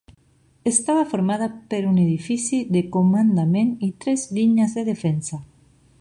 Estava formada per un edifici de comandament i tres línies de defensa.